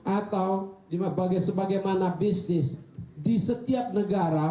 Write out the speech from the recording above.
atau sebagai mana bisnis di setiap negara